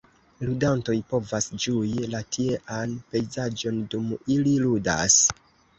Ludantoj povas ĝui la tiean pejzaĝon, dum ili ludas.